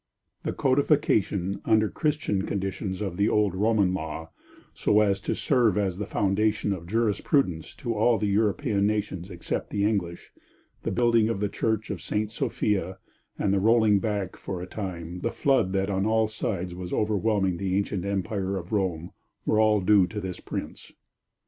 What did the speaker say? The codification under Christian conditions of the old Roman law, so as to serve as the foundation of jurisprudence to all the European nations except the English; the building of the church of St. Sophia, and the rolling back for a time the flood that on all sides was overwhelming the ancient Empire of Rome were all due to this prince.